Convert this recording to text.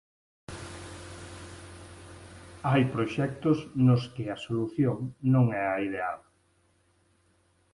Hai proxectos nos que a solución non é a ideal.